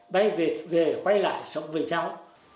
bài về quay lại sống với nhau